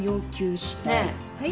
はい？